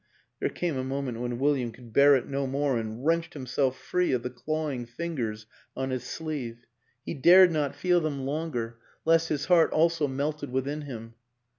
There came a moment when William could bear it no more, and wrenched himself free of the clawing fingers on his sleeve; he dared not feel them longer, lest his heart also melted within him.